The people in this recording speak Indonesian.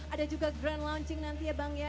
ada juga grand launching nanti ya bang ya